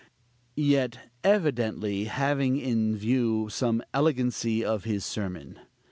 yet evidently having in view some elegancy of his sermon.